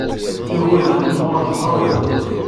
Igerdan ttimɣuren s tɣawla.